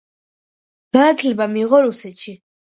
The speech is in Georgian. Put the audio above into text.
განათლება მიიღო რუსეთში.